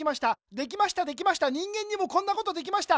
できましたできました人間にもこんなことできました。